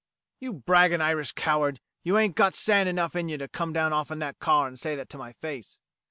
"You braggin' Irish coward, you haint got sand enough in you to come down off'n that car and say that to my face."